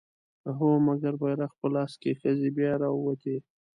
هو! مګر بيرغ په لاس که ښځې بيا راووتې